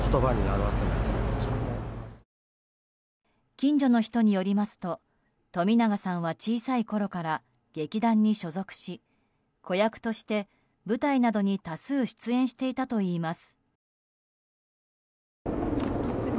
近所の人によりますと冨永さんは小さいころから劇団に所属し子役として、舞台などに多数出演していたといいます。